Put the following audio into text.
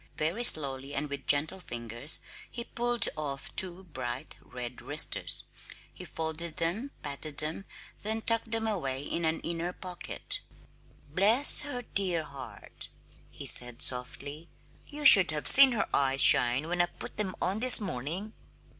Very slowly, and with gentle fingers, he pulled off two bright red wristers. He folded them, patted them, then tucked them away in an inner pocket. "Bless her dear heart!" he said softly. "You should have seen her eyes shine when I put them on this morning!"